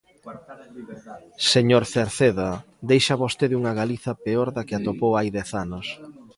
Señor Cerceda, deixa vostede unha Galiza peor da que atopou hai dez anos.